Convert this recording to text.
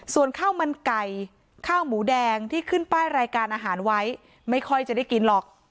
ส่วนข้าวมันไก่ข้าวหมูแดงที่ขึ้นป้ายรายการอาหารไว้ไม่ค่อยจะได้กินหรอก